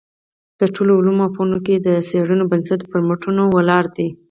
د ټولو علومو او فنونو کي د څېړنو بنسټ پر متونو ولاړ دﺉ.